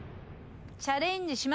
チャレンジします。